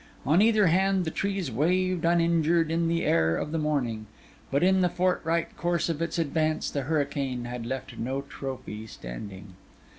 On either hand, the trees waved uninjured in the air of the morning; but in the forthright course of its advance, the hurricane had left no trophy standing.